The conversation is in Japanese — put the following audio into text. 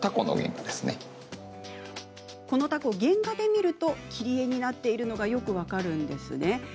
このタコ、原画で見ると切り絵になっているのがよく分かるんですね。